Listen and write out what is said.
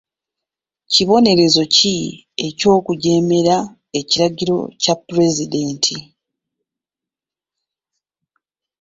Kibonerezo ki eky'okujeemera ekiragiro kya pulezidenti?